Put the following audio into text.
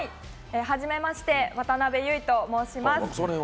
はじめまして、渡邉結衣と申します。